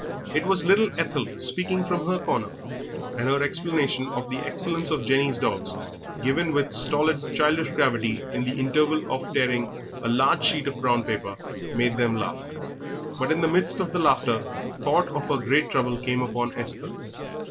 It was little Ethel speaking from her corner, and her explanation of the excellence of Jenny's dogs, given with stolid childish gravity in the interval of tearing a large sheet of brown paper, made them laugh. But in the midst of the laughter thought of her great trouble came upon Esther.